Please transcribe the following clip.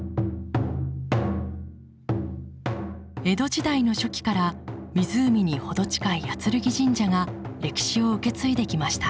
江戸時代の初期から湖に程近い八劔神社が歴史を受け継いできました。